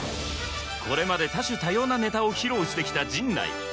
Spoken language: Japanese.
これまで多種多様なネタを披露してきた陣内